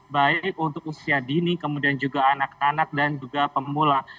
baik untuk usia dini kemudian juga anak anak dan juga pemula